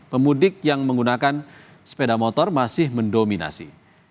pemudik yang menggunakan sepeda motor masih mendominasi